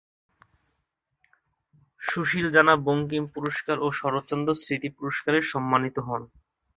সুশীল জানা বঙ্কিম পুরস্কার, ও শরৎচন্দ্র স্মৃতি পুরস্কারে সম্মানিত হন।